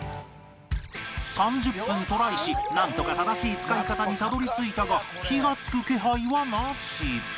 ３０分トライしなんとか正しい使い方にたどり着いたが火がつく気配はなし